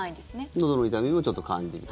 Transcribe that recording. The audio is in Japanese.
のどの痛みもちょっと感じると。